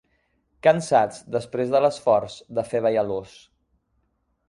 Cansats després de l'esforç de fer ballar l'ós.